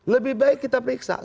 lebih baik kita periksa